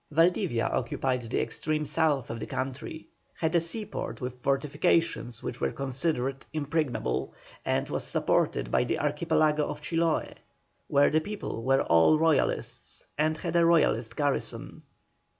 Valdivia occupied the extreme south of the country, had a seaport with fortifications which were considered impregnable, and was supported by the Archipelago of Chiloe, where the people were all Royalists and had a Royalist garrison.